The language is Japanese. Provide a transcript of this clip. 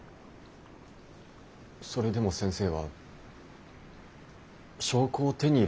それでも先生は証拠を手に入れたいと思いますか？